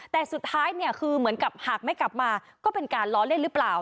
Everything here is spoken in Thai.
แต่สุดท้ายเนี่ยคือเหมือนกับหากไม่กลับมาก็เป็นการล้อเล่นหรือเปล่า